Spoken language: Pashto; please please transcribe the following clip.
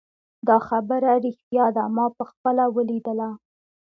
دا خبره ریښتیا ده ما پخپله ولیدله